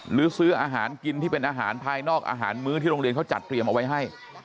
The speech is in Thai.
ซื้ออาหารกินที่เป็นอาหารภายนอกอาหารมื้อที่โรงเรียนเขาจัดเตรียมเอาไว้ให้